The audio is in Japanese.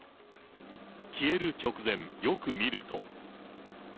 消える直前、よく見ると。